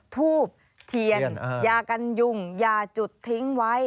ทูบเทียนยากันยุ่งยาจุดทิ้งไว้